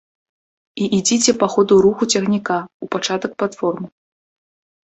І ідзіце па ходу руху цягніка ў пачатак платформы.